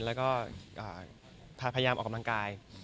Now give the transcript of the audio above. แล้วก็พยายามออกกำลังกาย